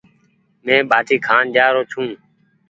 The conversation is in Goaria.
مينٚ ٻآٽي کآن جآرو ڇوٚنٚ